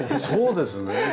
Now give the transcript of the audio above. そうですね。